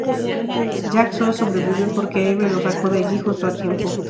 Jack solo sobrevive porque Eve lo sacó de allí justo a tiempo.